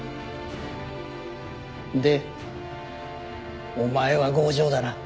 でお前は強情だな。